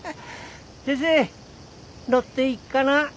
先生乗っていっかな？